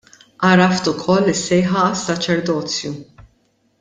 Għaraft ukoll is-sejħa għas-saċerdozju.